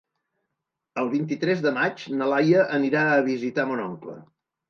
El vint-i-tres de maig na Laia anirà a visitar mon oncle.